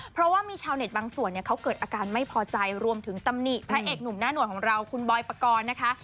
เพราะว่ามีชาวเน็ตบางส่วนเนี่ยเขาเกิดอาการไม่พอใจรวมถึงตำหนิพระเอกหนุ่มหน้าหน่วยของเราคุณบอยปกรณ์นะคะ